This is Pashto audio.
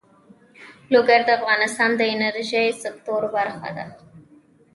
لوگر د افغانستان د انرژۍ سکتور برخه ده.